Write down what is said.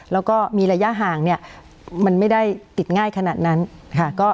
แล้วก็มีระยะห่างเนี่ยมันไม่ได้ติดง่ายขนาดนั้นค่ะ